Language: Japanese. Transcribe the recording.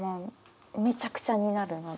めちゃくちゃになるので。